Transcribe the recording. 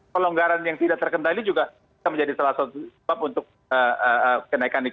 pelonggaran yang tidak terkendali juga bisa menjadi salah satu sebab untuk kenaikan itu